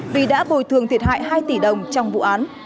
vì đã bồi thường thiệt hại hai tỷ đồng trong vụ án